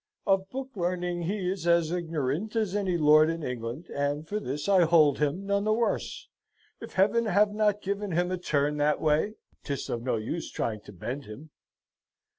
Of book learning he is as ignorant as any lord in England, and for this I hold him none the worse. If Heaven have not given him a turn that way, 'tis of no use trying to bend him.